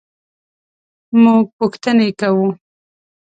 مونږ پوښتنې کوو